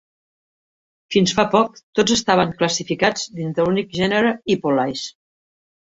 Fins fa poc, tots estaven classificats dins de l'únic gènere 'Hippolais'.